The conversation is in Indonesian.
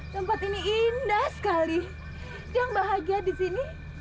tempat ini indah sekali yang bahagia disini